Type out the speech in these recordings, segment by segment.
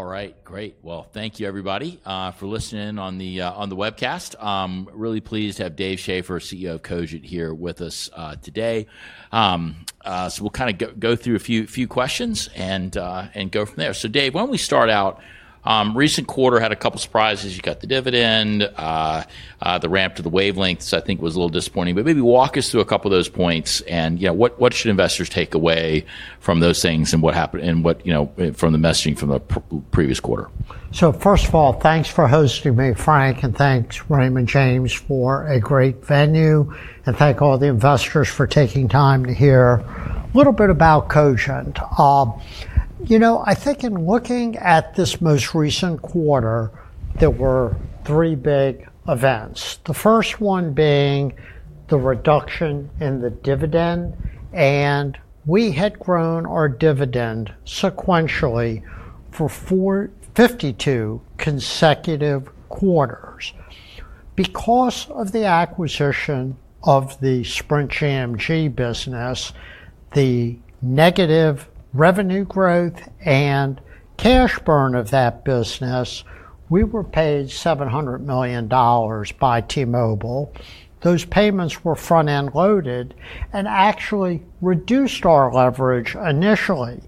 All right, great. Thank you, everybody, for listening on the webcast. I'm really pleased to have Dave Schaeffer, CEO of Cogent, here with us today. We'll kind of go through a few questions and go from there. Dave, why don't we start out? Recent quarter had a couple of surprises. You got the dividend, the ramp to the wavelengths, I think was a little disappointing. Maybe walk us through a couple of those points. What should investors take away from those things and what happened and what from the messaging from the previous quarter? So first of all, thanks for hosting me, Frank, and thanks, Raymond James, for a great venue. And thank all the investors for taking time to hear a little bit about Cogent. You know, I think in looking at this most recent quarter, there were three big events. The first one being the reduction in the dividend. And we had grown our dividend sequentially for 52 consecutive quarters. Because of the acquisition of the Sprint Wireline business, the negative revenue growth and cash burn of that business, we were paid $700 million by T-Mobile. Those payments were front-end loaded and actually reduced our leverage initially.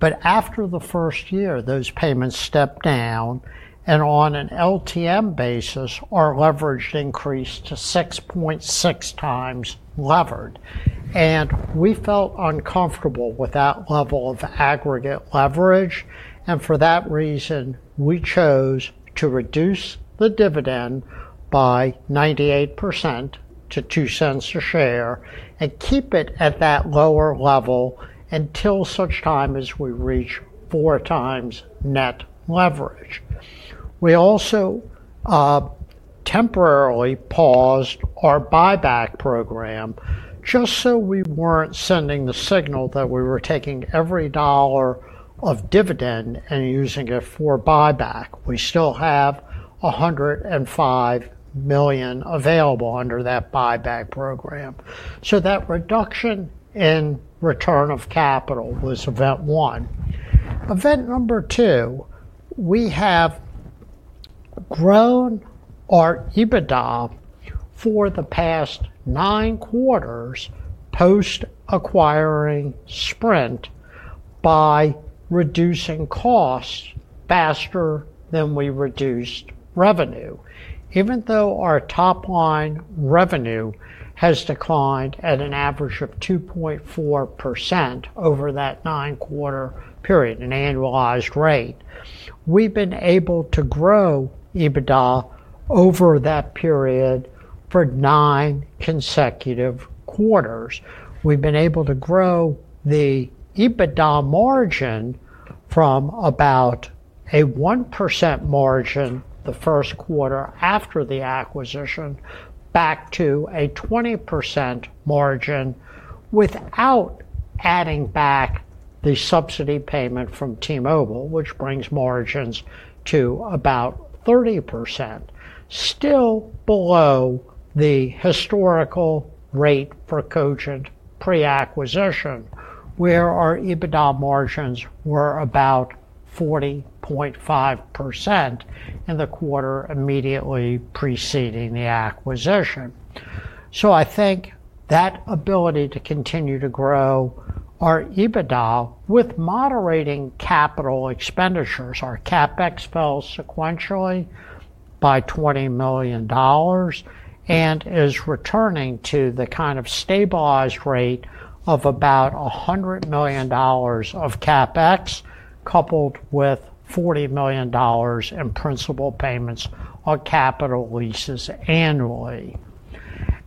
But after the first year, those payments stepped down. And on an LTM basis, our leverage increased to 6.6 times levered. And we felt uncomfortable with that level of aggregate leverage. For that reason, we chose to reduce the dividend by 98% to $0.02 per share and keep it at that lower level until such time as we reach four times net leverage. We also temporarily paused our buyback program just so we weren't sending the signal that we were taking every dollar of dividend and using it for buyback. We still have $105 million available under that buyback program. So that reduction in return of capital was event one. Event number two, we have grown our EBITDA for the past nine quarters post-acquiring Sprint by reducing costs faster than we reduced revenue. Even though our top-line revenue has declined at an average of 2.4% over that nine-quarter period, an annualized rate, we've been able to grow EBITDA over that period for nine consecutive quarters. We've been able to grow the EBITDA margin from about a 1% margin the first quarter after the acquisition back to a 20% margin without adding back the subsidy payment from T-Mobile, which brings margins to about 30%, still below the historical rate for Cogent pre-acquisition, where our EBITDA margins were about 40.5% in the quarter immediately preceding the acquisition. So I think that ability to continue to grow our EBITDA with moderating capital expenditures, our CapEx fell sequentially by $20 million and is returning to the kind of stabilized rate of about $100 million of CapEx coupled with $40 million in principal payments on capital leases annually.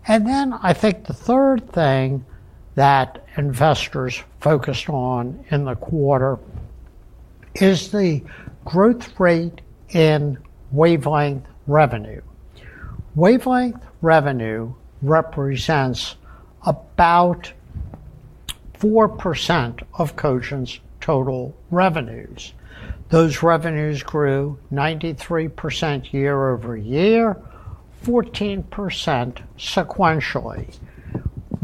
And then I think the third thing that investors focused on in the quarter is the growth rate in wavelength revenue. Wavelength revenue represents about 4% of Cogent's total revenues. Those revenues grew 93% year-over-year, 14% sequentially.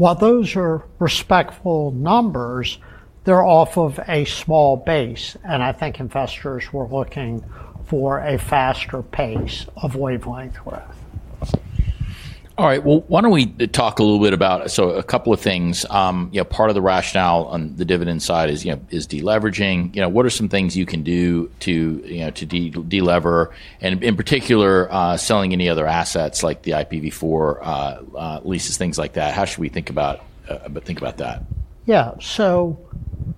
While those are respectful numbers, they're off of a small base, and I think investors were looking for a faster pace of wavelength growth. All right. Well, why don't we talk a little bit about, so a couple of things. Part of the rationale on the dividend side is deleveraging. What are some things you can do to delever? And in particular, selling any other assets like the IPv4 leases, things like that. How should we think about that? Yeah. So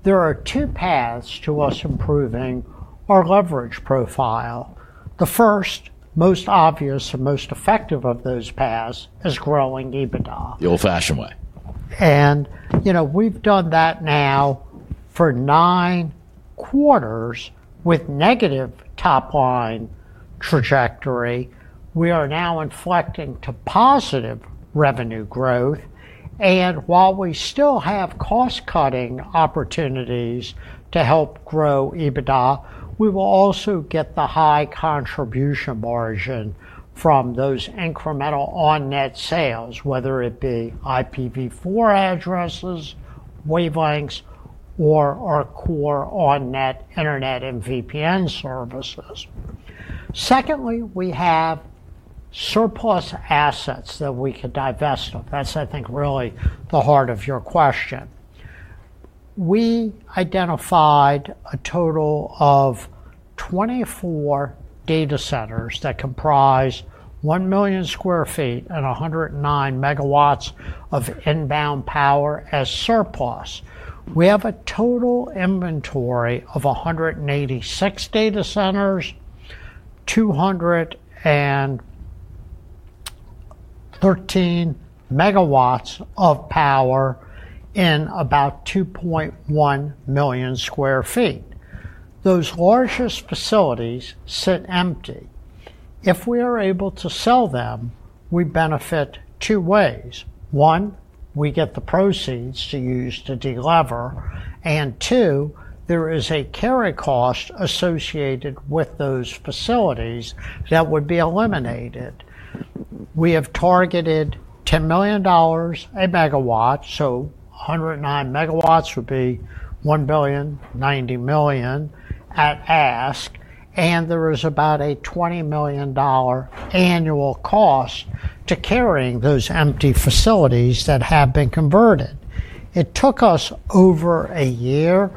there are two paths to us improving our leverage profile. The first, most obvious and most effective of those paths is growing EBITDA. The old-fashioned way. We've done that now for nine quarters with negative top-line trajectory. We are now inflecting to positive revenue growth. And while we still have cost-cutting opportunities to help grow EBITDA, we will also get the high contribution margin from those incremental on-net sales, whether it be IPv4 addresses, wavelengths, or our core on-net internet and VPN services. Secondly, we have surplus assets that we could divest of. That's, I think, really the heart of your question. We identified a total of 24 data centers that comprise 1 million sq ft and 109 MW of inbound power as surplus. We have a total inventory of 186 data centers, 213 MW of power in about 2.1 million sq ft. Those largest facilities sit empty. If we are able to sell them, we benefit two ways. One, we get the proceeds to use to deliver. Two, there is a carry cost associated with those facilities that would be eliminated. We have targeted $10 million a megawatt. So 109 MW would be $1 billion, $90 million at risk. There is about a $20 million annual cost to carrying those empty facilities that have been converted. It took us over a year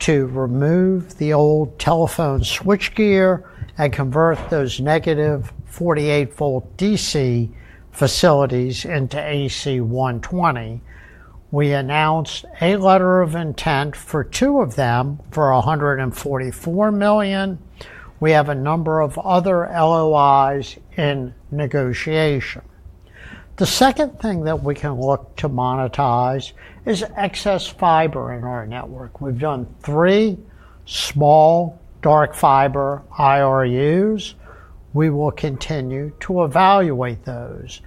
to remove the old telephone switchgear and convert those -48 volt DC facilities into AC 120. We announced a letter of intent for two of them for $144 million. We have a number of other LOIs in negotiation. The second thing that we can look to monetize is excess fiber in our network. We have done three small dark fiber IRUs. We will continue to evaluate those.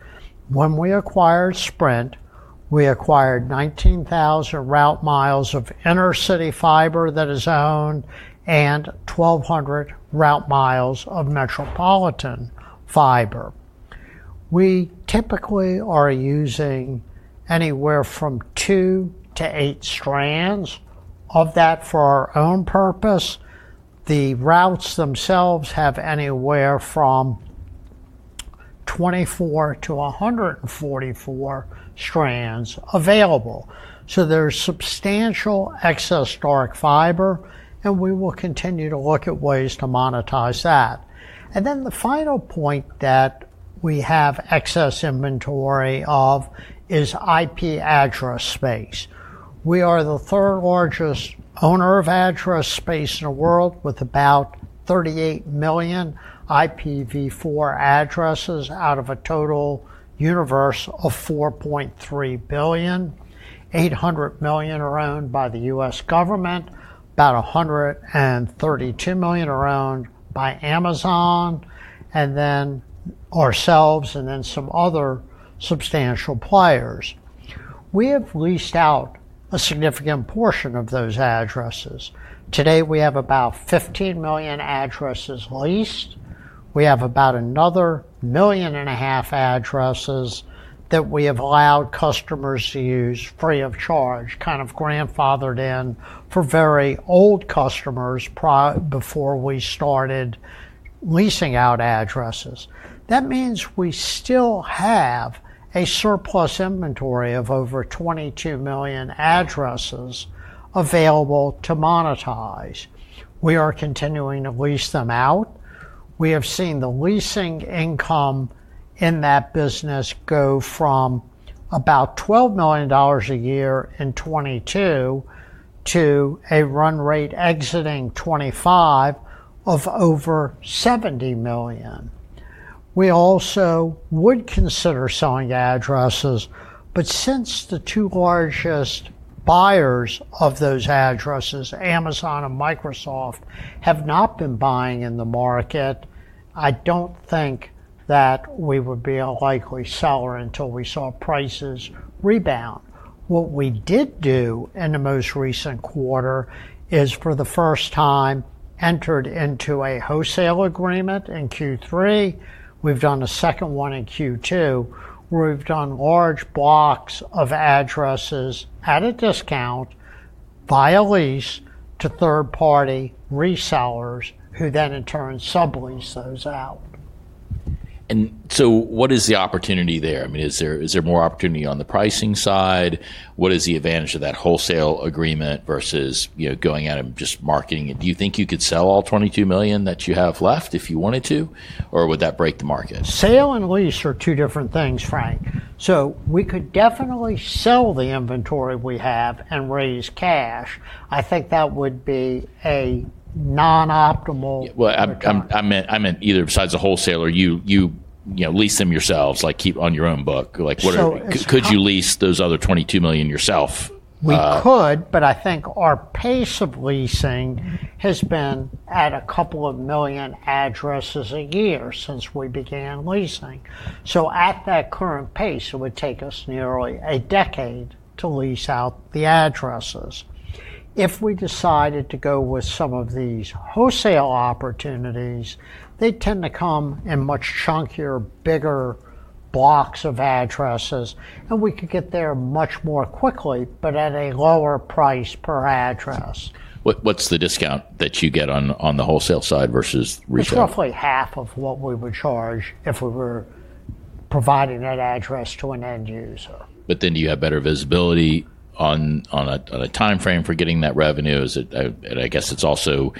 When we acquired Sprint, we acquired 19,000 route miles of intercity fiber that is owned and 1,200 route miles of metropolitan fiber. We typically are using anywhere from two to eight strands of that for our own purpose. The routes themselves have anywhere from 24 to 144 strands available. So there's substantial excess dark fiber, and we will continue to look at ways to monetize that. And then the final point that we have excess inventory of is IP address space. We are the third largest owner of address space in the world with about 38 million IPv4 addresses out of a total universe of 4.3 billion. 800 million are owned by the U.S. government, about 132 million are owned by Amazon, and then ourselves, and then some other substantial players. We have leased out a significant portion of those addresses. Today, we have about 15 million addresses leased. We have about another 1.5 million addresses that we have allowed customers to use free of charge, kind of grandfathered in for very old customers before we started leasing out addresses. That means we still have a surplus inventory of over 22 million addresses available to monetize. We are continuing to lease them out. We have seen the leasing income in that business go from about $12 million a year in 2022 to a run rate exiting 2025 of over $70 million. We also would consider selling addresses, but since the two largest buyers of those addresses, Amazon and Microsoft, have not been buying in the market, I don't think that we would be a likely seller until we saw prices rebound. What we did do in the most recent quarter is, for the first time, entered into a wholesale agreement in Q3. We've done a second one in Q2 where we've done large blocks of addresses at a discount via lease to third-party resellers who then, in turn, sublease those out. And so what is the opportunity there? I mean, is there more opportunity on the pricing side? What is the advantage of that wholesale agreement versus going out and just marketing it? Do you think you could sell all 22 million that you have left if you wanted to, or would that break the market? Sale and lease are two different things, Frank. So we could definitely sell the inventory we have and raise cash. I think that would be a non-optimal approach. I meant either besides the wholesaler, you lease them yourselves, like keep on your own book. Could you lease those other 22 million yourself? We could, but I think our pace of leasing has been at a couple of million addresses a year since we began leasing. So at that current pace, it would take us nearly a decade to lease out the addresses. If we decided to go with some of these wholesale opportunities, they tend to come in much chunkier, bigger blocks of addresses, and we could get there much more quickly, but at a lower price per address. What's the discount that you get on the wholesale side versus retail? It's roughly half of what we would charge if we were providing that address to an end user. But then, do you have better visibility on a timeframe for getting that revenue? And I guess it's also,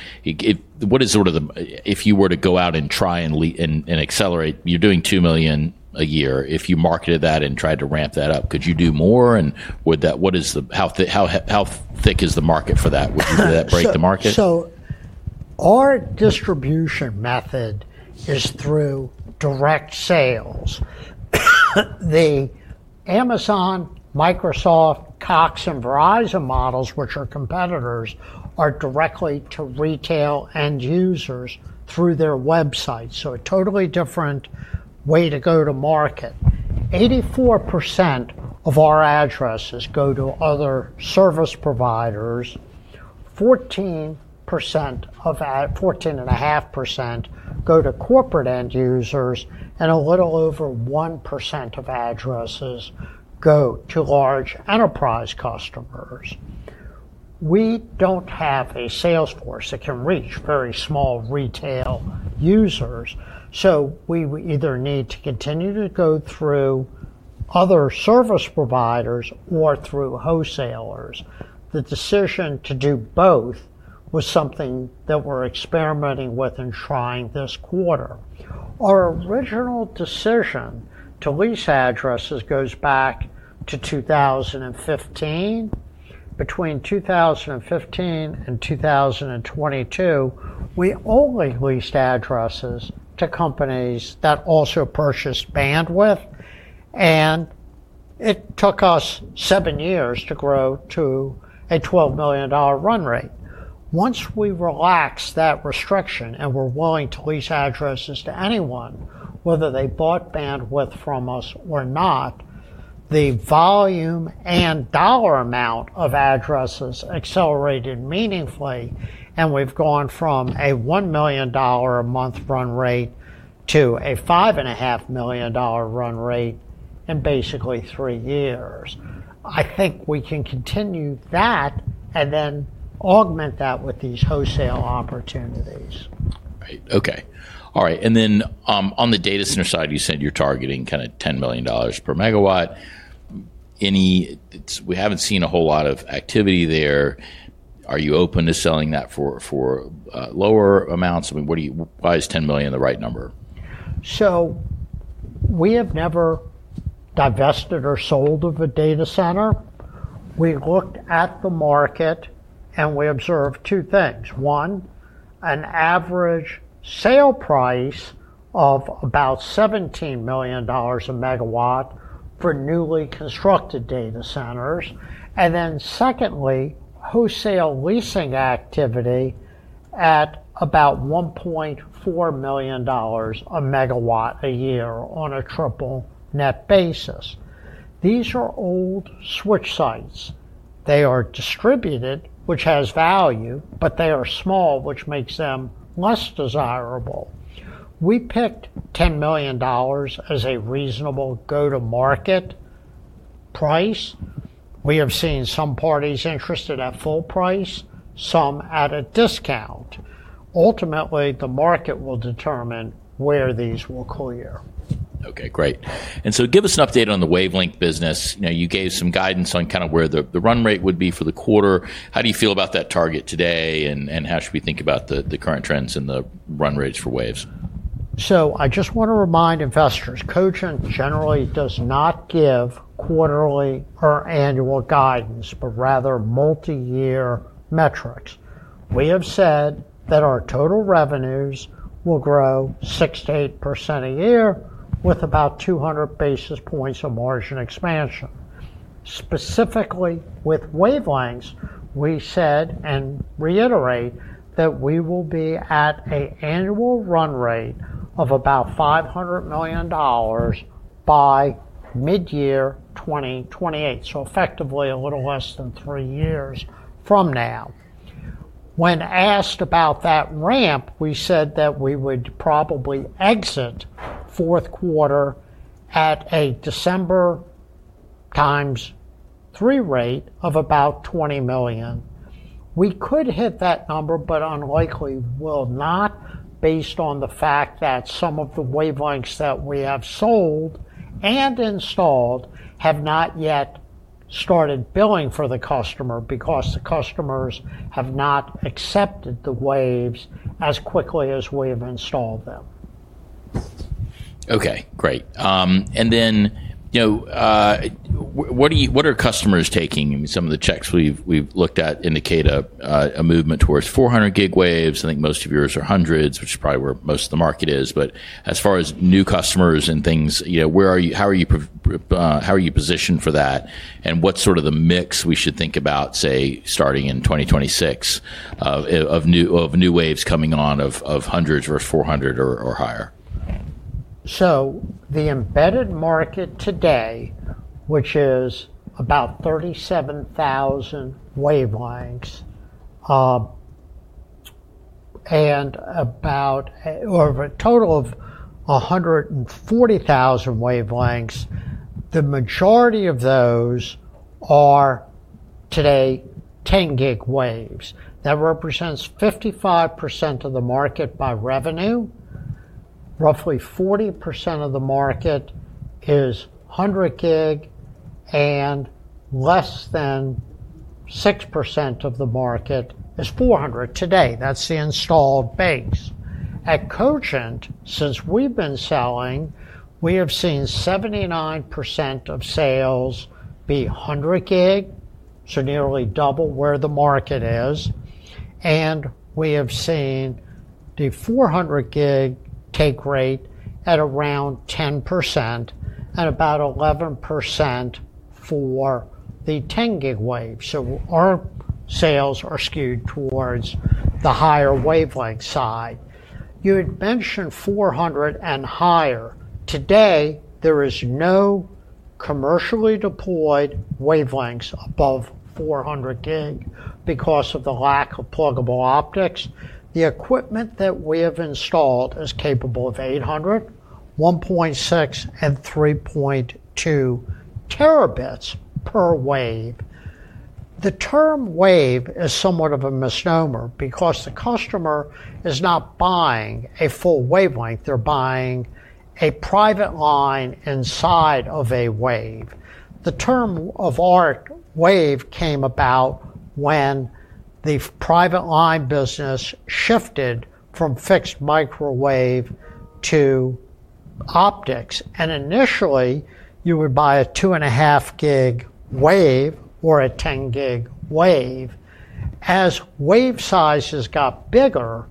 what is sort of the, if you were to go out and try and accelerate, you're doing $2 million a year. If you marketed that and tried to ramp that up, could you do more? And what is the, how thick is the market for that? Would that break the market? So our distribution method is through direct sales. The Amazon, Microsoft, Cox, and Verizon models, which are competitors, are directly to retail end users through their website. So a totally different way to go to market. 84% of our addresses go to other service providers. 14.5% go to corporate end users, and a little over 1% of addresses go to large enterprise customers. We don't have a salesforce that can reach very small retail users. So we either need to continue to go through other service providers or through wholesalers. The decision to do both was something that we're experimenting with and trying this quarter. Our original decision to lease addresses goes back to 2015. Between 2015 and 2022, we only leased addresses to companies that also purchased bandwidth, and it took us seven years to grow to a $12 million run rate. Once we relaxed that restriction and were willing to lease addresses to anyone, whether they bought bandwidth from us or not, the volume and dollar amount of addresses accelerated meaningfully, and we've gone from a $1 million a month run rate to a $5.5 million run rate in basically three years. I think we can continue that and then augment that with these wholesale opportunities. Right. Okay. All right. And then on the data center side, you said you're targeting kind of $10 million per megawatt. We haven't seen a whole lot of activity there. Are you open to selling that for lower amounts? I mean, why is $10 million the right number? So we have never divested or sold off a data center. We looked at the market, and we observed two things. One, an average sale price of about $17 million a megawatt for newly constructed data centers. And then secondly, wholesale leasing activity at about $1.4 million a megawatt a year on a triple net basis. These are old switch sites. They are distributed, which has value, but they are small, which makes them less desirable. We picked $10 million as a reasonable go-to-market price. We have seen some parties interested at full price, some at a discount. Ultimately, the market will determine where these will clear. Okay. Great. And so give us an update on the wavelength business. You gave some guidance on kind of where the run rate would be for the quarter. How do you feel about that target today, and how should we think about the current trends in the run rates for waves? I just want to remind investors, Cogent generally does not give quarterly or annual guidance, but rather multi-year metrics. We have said that our total revenues will grow 6%-8% a year with about 200 basis points of margin expansion. Specifically with wavelengths, we said and reiterate that we will be at an annual run rate of about $500 million by mid-year 2028. Effectively a little less than three years from now. When asked about that ramp, we said that we would probably exit fourth quarter at a December times three rate of about $20 million. We could hit that number, but unlikely will not based on the fact that some of the wavelengths that we have sold and installed have not yet started billing for the customer because the customers have not accepted the waves as quickly as we have installed them. Okay. Great. And then what are customers taking? I mean, some of the checks we've looked at indicate a movement towards 400 gig waves. I think most of yours are hundreds, which is probably where most of the market is. But as far as new customers and things, how are you positioned for that? And what's sort of the mix we should think about, say, starting in 2026 of new waves coming on of hundreds versus 400 or higher? So the embedded market today, which is about 37,000 wavelengths and about a total of 140,000 wavelengths, the majority of those are today 10 gig waves. That represents 55% of the market by revenue. Roughly 40% of the market is 100 gig, and less than 6% of the market is 400 today. That's the installed base. At Cogent, since we've been selling, we have seen 79% of sales be 100 gig, so nearly double where the market is. And we have seen the 400 gig take rate at around 10% and about 11% for the 10 gig wave. So our sales are skewed towards the higher wavelength side. You had mentioned 400 and higher. Today, there is no commercially deployed wavelengths above 400 gig because of the lack of pluggable optics. The equipment that we have installed is capable of 800, 1.6, and 3.2 terabits per wave. The term wave is somewhat of a misnomer because the customer is not buying a full wavelength. They're buying a private line inside of a wave. The term of art wave came about when the private line business shifted from fixed microwave to optics, and initially, you would buy a 2.5 gig wave or a 10 gig wave. As wave sizes got bigger,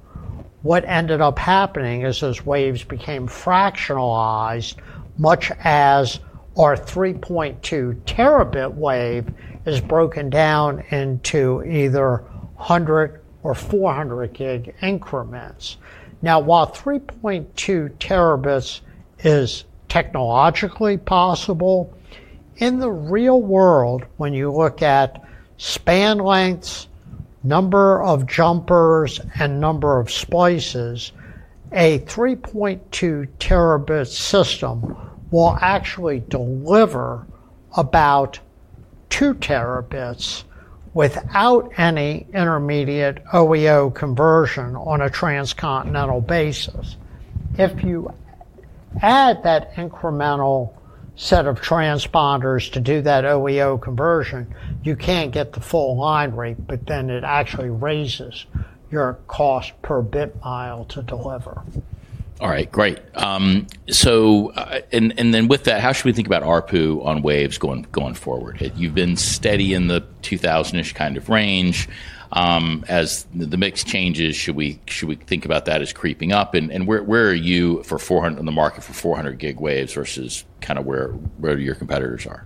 what ended up happening is as waves became fractionalized, much as our 3.2 terabit wave is broken down into either 100 or 400 gig increments. Now, while 3.2 terabits is technologically possible, in the real world, when you look at span lengths, number of jumpers, and number of splices, a 3.2 terabit system will actually deliver about 2 terabits without any intermediate OEO conversion on a transcontinental basis. If you add that incremental set of transponders to do that OEO conversion, you can't get the full line rate, but then it actually raises your cost per bit mile to deliver. All right. Great. And then with that, how should we think about ARPU on waves going forward? You've been steady in the 2000-ish kind of range. As the mix changes, should we think about that as creeping up? And where are you on the market for 400 gig waves versus kind of where your competitors are?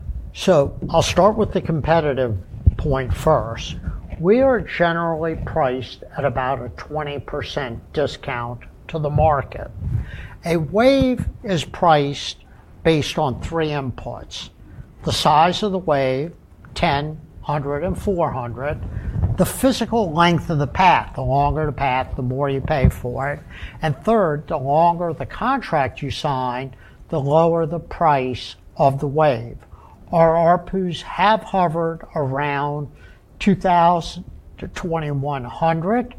I'll start with the competitive point first. We are generally priced at about a 20% discount to the market. A wave is priced based on three inputs: the size of the wave, 10, 100, and 400. The physical length of the path. The longer the path, the more you pay for it, and third, the longer the contract you sign, the lower the price of the wave. Our ARPUs have hovered around 2,000-2,100.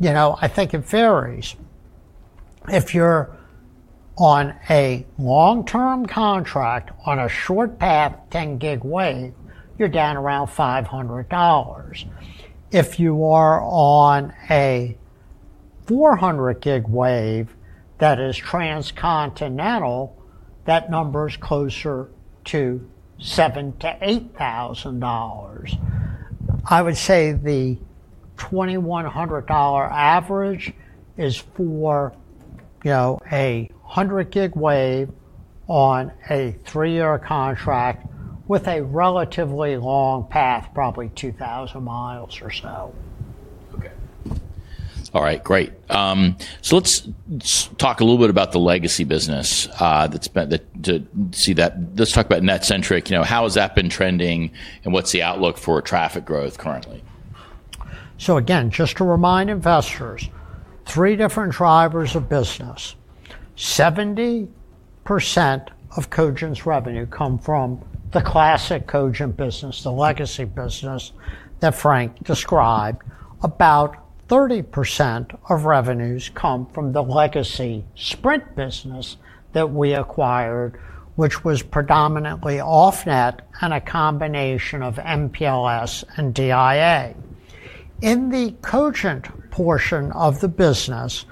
You know, I think it varies. If you're on a long-term contract on a short path, 10 gig wave, you're down around $500. If you are on a 400 gig wave that is transcontinental, that number is closer to $7,000-$8,000. I would say the $2,100 average is for a 100 gig wave on a three-year contract with a relatively long path, probably 2,000 miles or so. Okay. All right. Great. So let's talk a little bit about the legacy business. Let's see that. Let's talk about NetCentric. How has that been trending, and what's the outlook for traffic growth currently? So, again, just to remind investors, three different drivers of business. 70% of Cogent's revenue comes from the classic Cogent business, the legacy business that Frank described. About 30% of revenues come from the legacy Sprint business that we acquired, which was predominantly off-net and a combination of MPLS and DIA. In the Cogent portion of the business,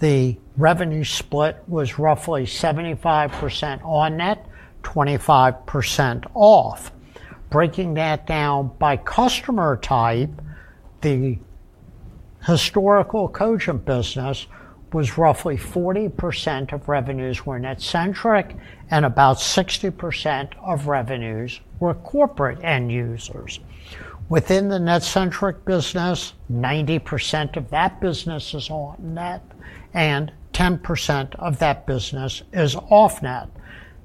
the revenue split was roughly 75% on-net, 25% off-net. Breaking that down by customer type, the historical Cogent business was roughly 40% of revenues were NetCentric, and about 60% of revenues were corporate end users. Within the NetCentric business, 90% of that business is on-net, and 10% of that business is off-net.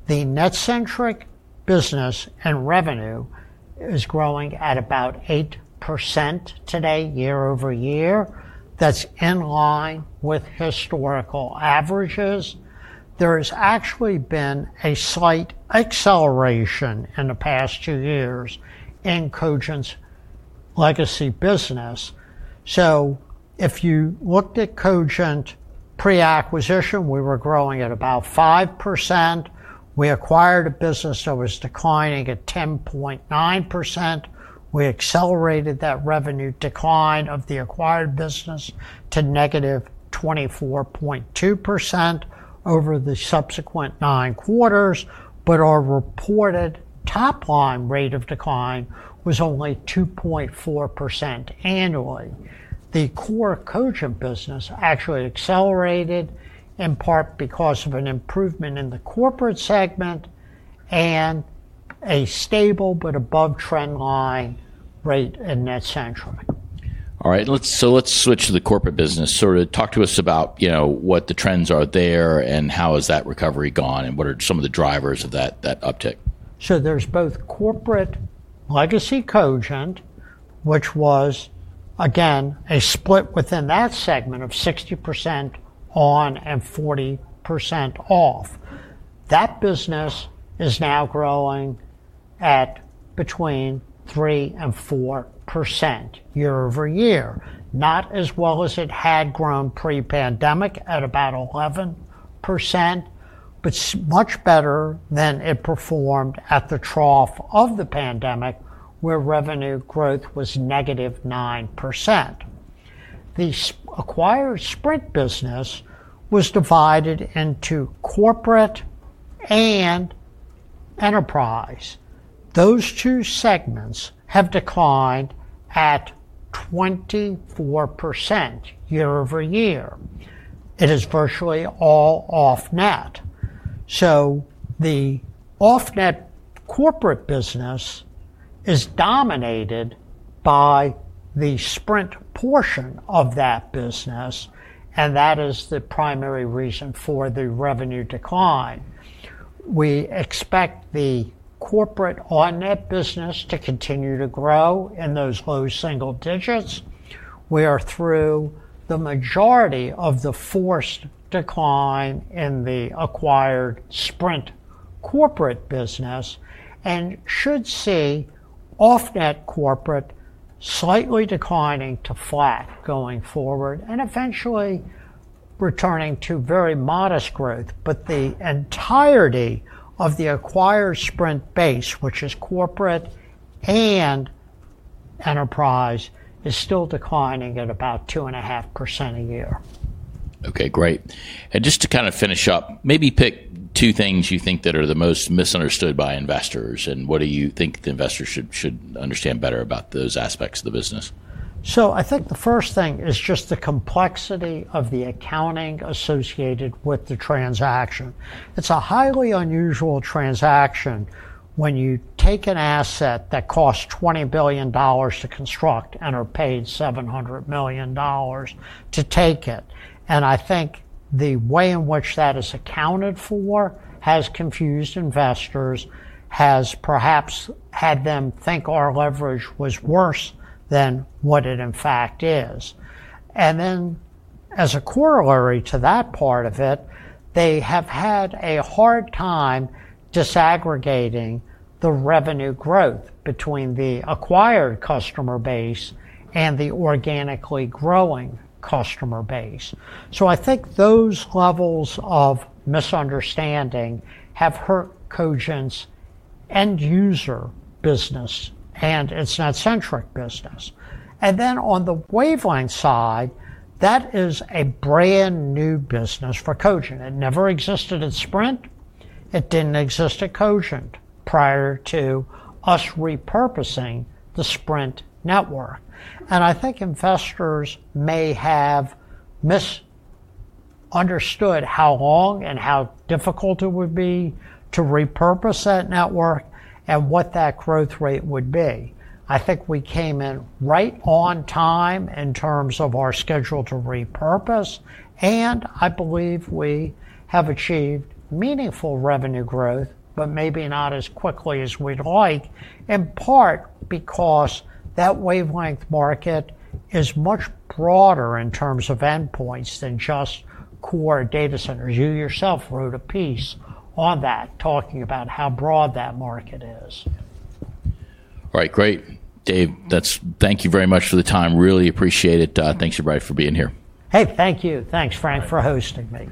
The NetCentric business and revenue is growing at about 8% today, year-over-year. That's in line with historical averages. There has actually been a slight acceleration in the past two years in Cogent's legacy business. So if you looked at Cogent pre-acquisition, we were growing at about 5%. We acquired a business that was declining at 10.9%. We accelerated that revenue decline of the acquired business to -24.2% over the subsequent nine quarters, but our reported top line rate of decline was only 2.4% annually. The core Cogent business actually accelerated in part because of an improvement in the corporate segment and a stable but above trend line rate in NetCentric. All right. So let's switch to the corporate business. So talk to us about what the trends are there and how has that recovery gone and what are some of the drivers of that uptick? So there's both corporate legacy Cogent, which was, again, a split within that segment of 60% on-net and 40% off-net. That business is now growing at between 3% and 4% year-over-year. Not as well as it had grown pre-pandemic at about 11%, but much better than it performed at the trough of the pandemic where revenue growth was -9%. The acquired Sprint business was divided into corporate and enterprise. Those two segments have declined at 24% year-over-year. It is virtually all off-net. So the off-net corporate business is dominated by the Sprint portion of that business, and that is the primary reason for the revenue decline. We expect the corporate on-net business to continue to grow in those low single digits. We are through the majority of the forced decline in the acquired Sprint corporate business and should see off-net corporate slightly declining to flat going forward and eventually returning to very modest growth, but the entirety of the acquired Sprint base, which is corporate and enterprise, is still declining at about 2.5% a year. Okay. Great. And just to kind of finish up, maybe pick two things you think that are the most misunderstood by investors, and what do you think the investors should understand better about those aspects of the business? So I think the first thing is just the complexity of the accounting associated with the transaction. It's a highly unusual transaction when you take an asset that costs $20 billion to construct and are paid $700 million to take it. And I think the way in which that is accounted for has confused investors, has perhaps had them think our leverage was worse than what it in fact is. And then as a corollary to that part of it, they have had a hard time disaggregating the revenue growth between the acquired customer base and the organically growing customer base. So I think those levels of misunderstanding have hurt Cogent's end user business and its NetCentric business. And then on the wavelength side, that is a brand new business for Cogent. It never existed at Sprint. It didn't exist at Cogent prior to us repurposing the Sprint network. And I think investors may have misunderstood how long and how difficult it would be to repurpose that network and what that growth rate would be. I think we came in right on time in terms of our schedule to repurpose, and I believe we have achieved meaningful revenue growth, but maybe not as quickly as we'd like, in part because that wavelength market is much broader in terms of endpoints than just core data centers. You yourself wrote a piece on that, talking about how broad that market is. All right. Great. Dave, thank you very much for the time. Really appreciate it. Thanks, everybody, for being here. Hey, thank you. Thanks, Frank, for hosting me.